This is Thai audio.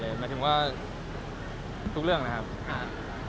หมายถึงว่าทุกเรื่องนะครับ